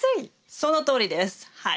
そのとおりですはい。